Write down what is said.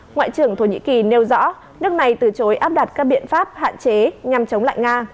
ngoại trưởng thổ nhĩ kỳ nêu rõ nước này từ chối áp đặt các biện pháp hạn chế nhằm chống lại nga